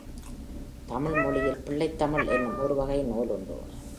தயிழ் மொழியில் பிள்ளைத் தமிழ் என்னும் ஒருவகை நூல் உண்டு.